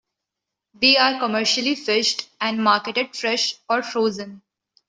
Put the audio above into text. They are commercially fished, and marketed fresh or frozen.